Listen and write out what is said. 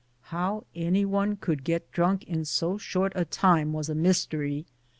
" How any one could get drunk in so short a time was a mystery.